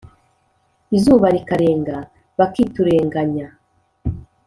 izuba rikarenga bakiturenganya